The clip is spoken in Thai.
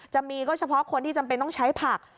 จะมีก็เฉพาะคนที่จำเป็นต้องใช้ผัก